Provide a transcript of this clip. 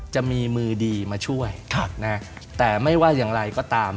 จะมีมือดีมาช่วยแต่ไม่ว่าอย่างไรก็ตาม